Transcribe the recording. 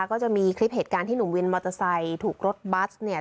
ก็จะมีคลิปเหตุการณ์ที่หนุ่มวินมอเตอร์ไซค์ถูกรถบัสเนี่ย